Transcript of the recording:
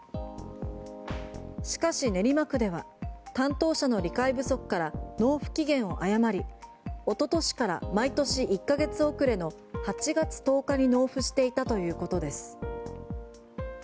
しかし、練馬区では担当者の理解不足から納付期限を誤り一昨年から毎年１か月遅れの８月１０日に納付していたということです。